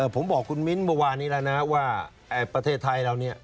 ผมบอกคุณมิ้นท์เมื่อวานนี้แล้วนะว่าประเทศไทยเราเนี่ย